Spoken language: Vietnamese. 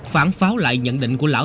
phản pháo lại nhận định của lão